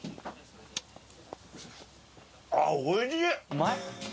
うまい？